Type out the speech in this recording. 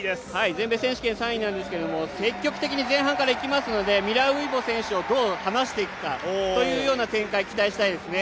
全米選手権３位なんですけど積極的に前半からいきますのでミラー・ウイボ選手をどう離していくかという展開を期待したいですね。